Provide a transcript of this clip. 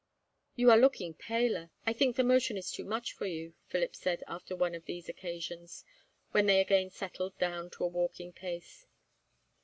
"You are looking paler. I think the motion is too much for you," Philip said after one of these occasions, when they again settled down to a walking pace.